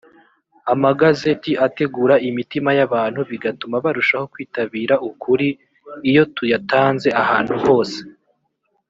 amagazeti ategura imitima y’abantu bigatuma barushaho kwitabira ukuri iyo tuyatanze ahantu hose